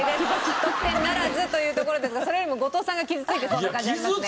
得点ならずというところですがそれよりも後藤さんが傷ついてそうな感じありますね。